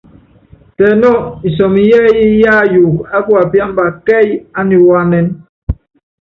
Tɛ nɔ́ɔ isɔmɔ yɛ́ɛ́yí yáyuukɔ á kuapíámbá kɛ́ɛ́yí ániwáánɛn.